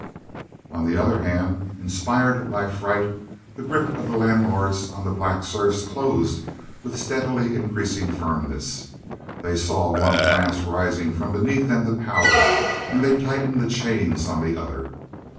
On the other hand, inspired by fright, the grip of the landlords on the black serfs closed with steadily increasing firmness. They saw one class rising from beneath them to power, and they tightened the chains on the other.